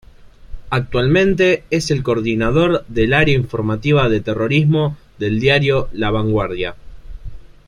Actualmente es el Coordinador del Área informativa de Terrorismo del diario "La Vanguardia".